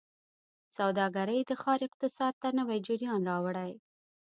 سوداګرۍ د ښار اقتصاد ته نوي جریان راوړي.